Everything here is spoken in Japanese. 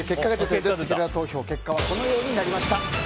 せきらら投票の結果はこのようになりました。